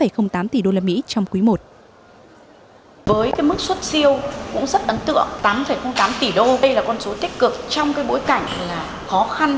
với mức xuất siêu cũng rất ấn tượng tám tám tỷ usd là con số tích cực trong bối cảnh khó khăn